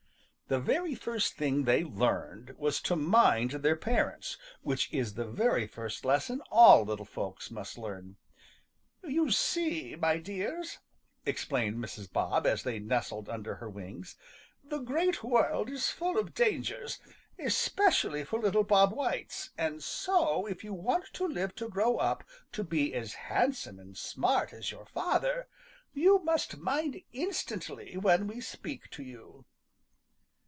The very first thing they learned was to mind their parents, which is the very first lesson all little folks must learn. "You see, my dears," explained Mrs. Bob, as they nestled under her wings, "the Great World is full of dangers, especially for little Bob Whites, and so if you want to live to grow up to be as handsome and smart as your father, you must mind instantly when we speak to you."